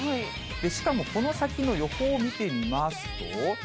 しかもこの先の予報を見てみますと。